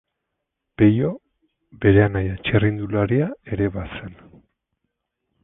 Peio bere anaia txirrindularia ere bazen.